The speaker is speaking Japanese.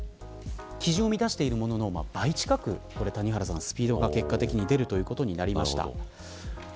基準を満たしているものの倍近くスピードが結果的に出るということになりました。